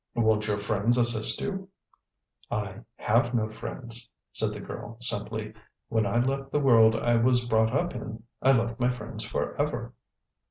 "Won't your friends assist you?" "I have no friends," said the girl simply; "when I left the world I was brought up in, I left my friends for ever."